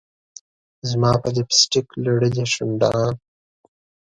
زما په لپ سټک لړلي شونډان